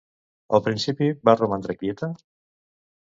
Al principi va romandre quieta?